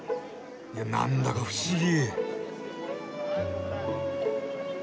いやなんだか不思議！